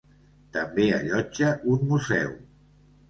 També allotja un museu.